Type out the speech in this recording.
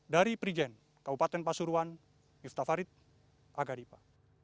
dari prigen kabupaten pasuruan yftavarit agaripa